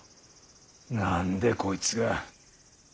何でこいつが。